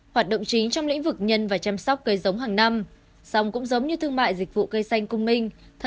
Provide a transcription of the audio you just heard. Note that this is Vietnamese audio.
hoạt động chính trong lĩnh vực nhân và chăm sóc cây giống hàng năm song cũng giống như thương mại dịch vụ cây xanh công minh